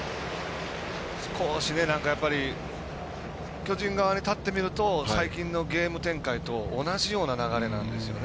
少し、やっぱり巨人側に立ってみると最近のゲーム展開と同じような流れなんですよね。